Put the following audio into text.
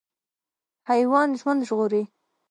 حیوان ژوند ژغوري.